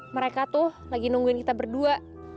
mereka tuh lagi nungguin kita berdua